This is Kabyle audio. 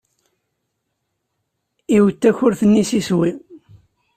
Iwet takurt-nni s iswi.